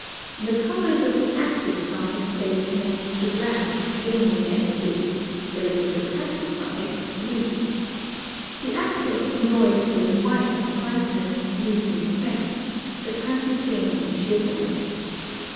The colours of the active side placed next to black gain in energy, those of the passive side lose. The active conjoined with white and brightness lose in strength, the passive gain in cheerfulness.